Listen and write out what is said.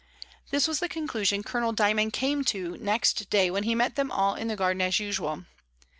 This was the conclusion Colonel Dymond came to next day when he met them all in the garden as usual.